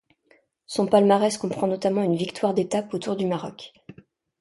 Son palmarès comprend notamment une victoire d'étape au Tour du Maroc.